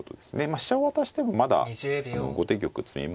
飛車を渡してもまだ後手玉詰みませんので。